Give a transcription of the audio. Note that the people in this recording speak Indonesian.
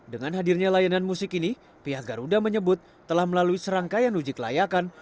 dengan hadirnya layanan musik ini pihak garuda menyebut telah melalui serangkaian uji kelayakan